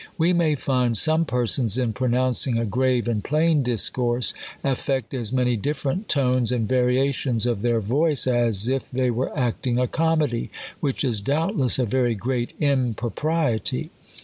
We may find some persons, in pro nouncing a grave and })lain discourse, affect as many different tones, and variations of their voice, as if they were acting a comedy ; which is doubtless a very great impropriety.